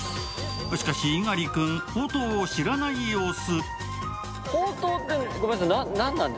しかし猪狩君、ほうとうを知らない様子。